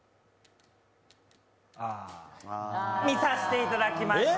見させていただきました。